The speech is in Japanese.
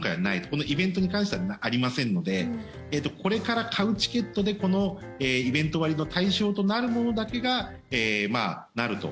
このイベントに関してはありませんのでこれから買うチケットでこのイベント割の対象となるものだけが、なると。